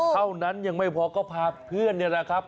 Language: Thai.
เท่านั้นยังไม่พอก็พาเพื่อนนี่แหละครับ